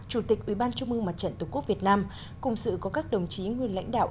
chủ tịch ubnd tổ quốc việt nam cùng sự có các đồng chí nguyên lãnh đạo